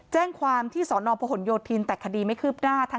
แจ้งความที่สอนอพหนโยธินแต่คดีไม่คืบหน้า